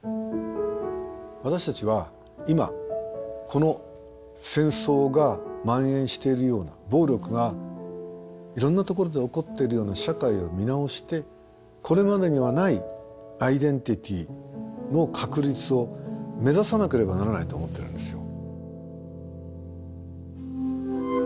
私たちは今この戦争がまん延しているような暴力がいろんなところで起こっているような社会を見直してこれまでにはないアイデンティティーの確立を目指さなければならないと思ってるんですよ。